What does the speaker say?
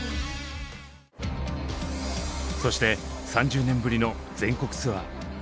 そして３０年ぶりの全国ツアー。